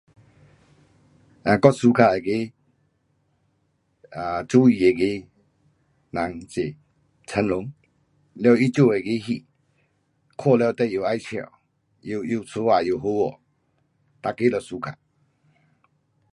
um 我喜欢那个啊，做戏那个人是成龙，了他做那个戏，看了你又要笑，又又相打又好看。每个都 suka.